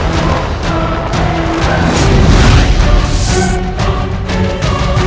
sesuatu yang tak terjadi